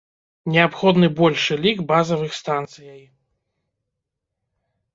Неабходны большы лік базавых станцыяй.